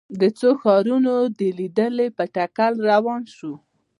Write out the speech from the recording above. د څو ښارونو لیدنې په تکل روان شوو.